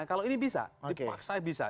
kalau ini bisa dipaksa bisa